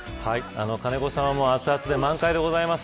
金子さんもあつあつで満開でございます。